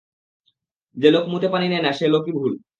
যে লোক মুতে পানি নেয় না, সে লোকই ভুল।